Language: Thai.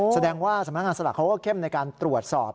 แสดงว่าสำนักงานสลากเขาก็เข้มในการตรวจสอบ